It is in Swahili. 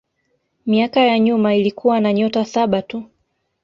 Miaka ya nyuma ilikuwa na nyota saba tu.